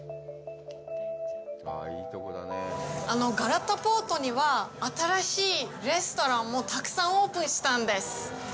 ガラタポートには、新しいレストランもたくさんオープンしたんです。